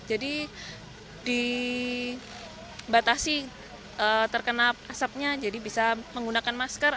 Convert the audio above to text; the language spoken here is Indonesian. jadi dibatasi terkena asapnya jadi bisa menggunakan masker